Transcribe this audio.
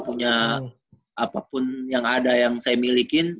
punya apapun yang ada yang saya miliki